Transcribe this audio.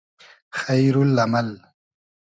خݷرو ل امئل